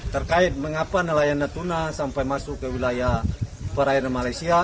terkait mengapa nelayan natuna sampai masuk ke wilayah perairan malaysia